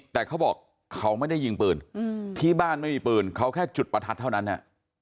แต่เขาบอกเขาไม่ได้ยิงปืนที่บ้านไม่มีปืนเขาแค่จุดประทัดเท่านั้น